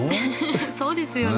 そうですよね。